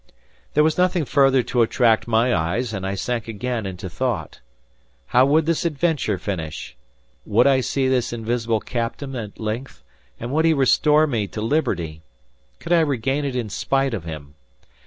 There was nothing further to attract my eyes, and I sank again into thought. How would this adventure finish? Would I see this invisible captain at length, and would he restore me to liberty? Could I regain it in spite of him?